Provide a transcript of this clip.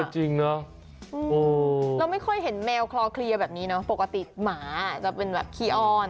จริงเนอะเราไม่ค่อยเห็นแมวคลอเคลียร์แบบนี้เนาะปกติหมาจะเป็นแบบขี้อ้อน